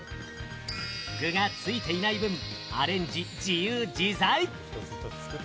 具がついていない分、アレンジ自由自在。